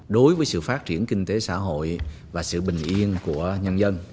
đối với sự phát triển kinh tế xã hội và sự bình yên của nhân dân